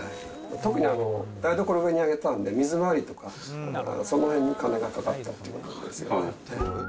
特に台所上に上げたんで、水回りとか、そのへんに金がかかったということですよね。